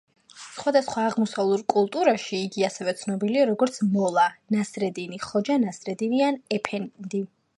სხვადასხვა აღმოსავლურ კულტურაში იგი ასევე ცნობილია როგორც „მოლა ნასრედინი“, „ხოჯა ნასრედინი“ ან „ეფენდი“.